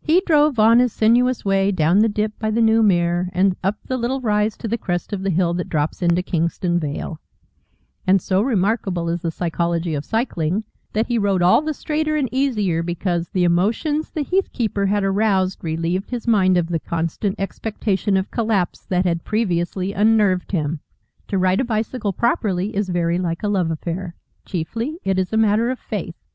He drove on his sinuous way down the dip by the new mere and up the little rise to the crest of the hill that drops into Kingston Vale; and so remarkable is the psychology of cycling, that he rode all the straighter and easier because the emotions the heathkeeper had aroused relieved his mind of the constant expectation of collapse that had previously unnerved him. To ride a bicycle properly is very like a love affair chiefly it is a matter of faith.